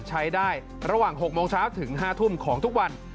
ใช้ได้ระหว่าง๖โมงเช้าถึง๕ทุ่มของทุกวัน